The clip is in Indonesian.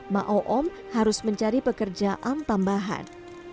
ma'o oom harus mencari pekerjaan tambahan